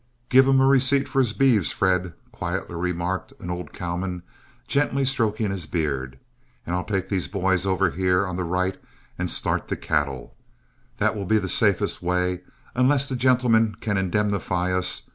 "Give him a receipt for his beeves, Fred," quietly remarked an old cowman, gently stroking his beard, "and I'll take these boys over here on the right and start the cattle. That will be the safest way, unless the gentleman can indemnify us.